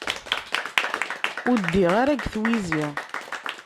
Ur ddiɣ ara deg twizi.